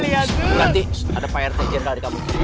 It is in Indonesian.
nanti ada pak rete jenderal di kampung ini